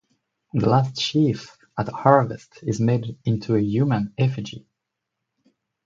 The last sheaf at harvest is made into a human effigy.